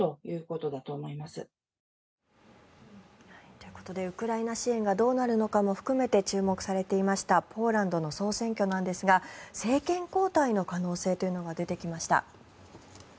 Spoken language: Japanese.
ということでウクライナ支援がどうなるのかも含めて注目されていましたポーランドの総選挙なんですが政権交代の可能性が出てきました。